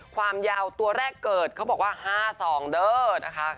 ความยาวตัวแรกเกิดเขาบอกว่า๕๒เด้อนะคะ